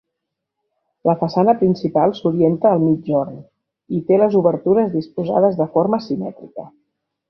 La façana principal s'orienta al migjorn, i té les obertures disposades de forma simètrica.